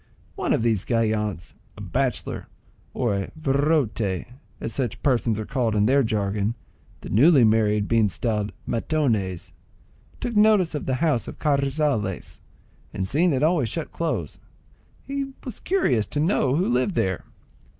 One of these gallants, a bachelor,—or a virote, as such persons are called in their jargon, the newly married being styled matones,—took notice of the house of Carrizales, and seeing it always shut close, he was curious to know who lived there.